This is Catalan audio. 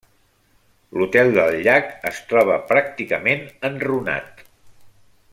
L'hotel del Llac es troba pràcticament enrunat.